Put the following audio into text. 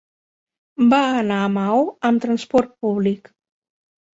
Va anar a Maó amb transport públic.